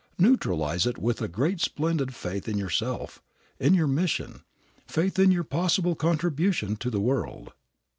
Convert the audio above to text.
Neutralize it with a great splendid faith in yourself, in your mission, faith in your possible contribution to the world.